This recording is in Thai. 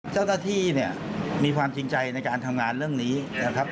เจ้าหน้าที่เนี่ยมีความจริงใจในการทำงานเรื่องนี้นะครับ